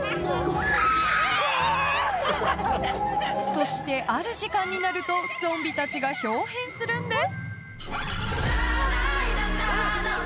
［そしてある時間になるとゾンビたちが豹変するんです］